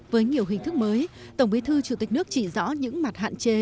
với nhiều hình thức mới tổng bí thư chủ tịch nước chỉ rõ những mặt hạn chế